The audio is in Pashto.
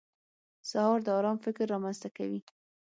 سهار د ارام فکر رامنځته کوي.